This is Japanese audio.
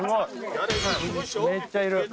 めっちゃいる。